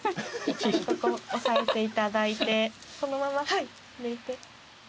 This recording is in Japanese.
ここ押さえていただいてこのまま抜いて。